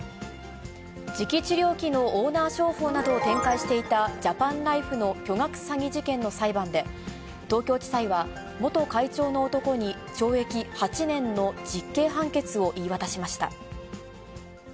磁気治療器のオーナー商法などを展開していたジャパンライフの巨額詐欺事件の裁判で、東京地裁は元会長の男に懲役８年の実刑判決を言い渡しました。